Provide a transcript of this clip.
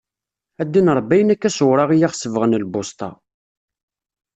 A ddin Ṛebbi ayen akka s uwraɣ i aɣ-sebɣen lbusṭa.